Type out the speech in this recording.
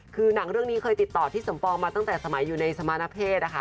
คือหนังเรื่องนี้เคยติดต่อที่สมปองมาตั้งแต่สมัยอยู่ในสมณเพศนะคะ